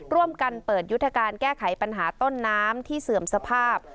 ร่วมกันเปิดยุทธการแก้ไขปัญหาต้นน้ำที่เสื่อมสภาพ